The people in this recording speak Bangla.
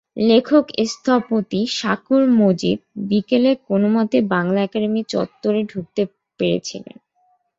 লেখক স্থপতি শাকুর মজিদ বিকেলে কোনোমতে বাংলা একাডেমি চত্বরে ঢুকতে পেরেছিলেন।